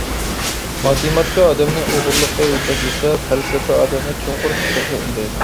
ماتېماتىكا ئادەمنى توغرىلىققا يېتەكلىسە، پەلسەپە ئادەمنى چوڭقۇر پىكىرگە ئۈندەيدۇ.